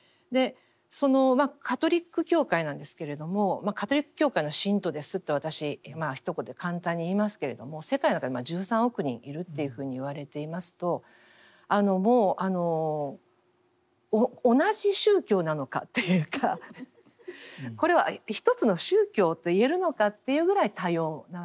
そのカトリック教会なんですけれどもカトリック教会の信徒ですって私ひと言で簡単に言いますけれども世界の中で１３億人いるというふうに言われていますともう同じ宗教なのかっていうかこれは一つの宗教と言えるのかというぐらい多様なわけですよね。